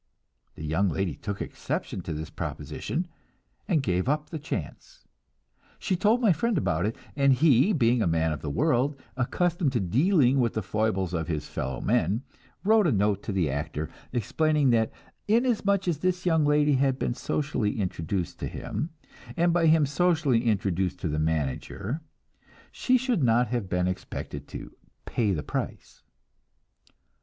The young lady took exception to this proposition, and gave up the chance. She told my friend about it, and he, being a man of the world, accustomed to dealing with the foibles of his fellowmen, wrote a note to the actor, explaining that inasmuch as this young lady had been socially introduced to him, and by him socially introduced to the manager, she should not have been expected to "pay the price."